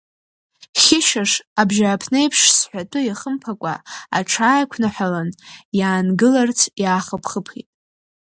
Хьышьаш абжьааԥны еиԥш сҳәатәы иахымԥакәа, аҽааиқәнаҳәалан, иаангыларц иаахыԥ-хыԥит.